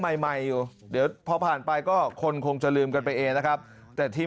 ใหม่ใหม่อยู่เดี๋ยวพอผ่านไปก็คนคงจะลืมกันไปเองนะครับแต่ทีม